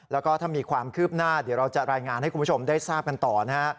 แล้วก็ถ้ามีความคืบหน้าเดี๋ยวเราจะรายงานให้คุณผู้ชมได้ทราบกันต่อนะฮะ